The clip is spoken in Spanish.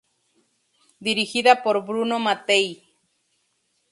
Dirigida por Bruno Mattei.